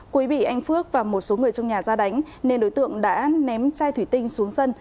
quý bị anh phước và một số người trong nhà ra đánh nên đối tượng đã ném chai thủy tinh xuống sân